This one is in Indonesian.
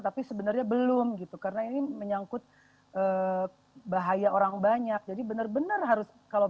tapi sebenarnya belum gitu karena ini menyangkut bahaya orang banyak jadi benar benar harus kalau